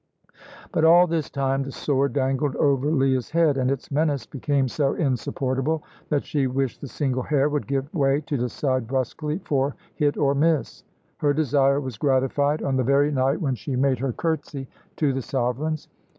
But all this time the sword dangled over Leah's head, and its menace became so insupportable that she wished the single hair would give way, to decide brusquely for hit or miss. Her desire was gratified on the very night when she made her curtsey to the Sovereigns.